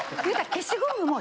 消しゴムも。